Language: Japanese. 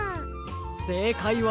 せいかいは。